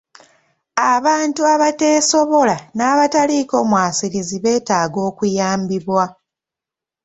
Abantu abateesobola n'abataliiko mwasirizi beetaaga okuyambibwa.